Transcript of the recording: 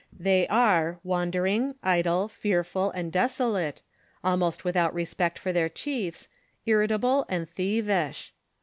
They are, wander ing, idle, fearful, and desolate, almost without respect for their chiefs, irritable, and thievish.